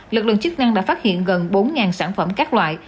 lực lượng chức năng đã phát hiện gần bốn sản phẩm các loại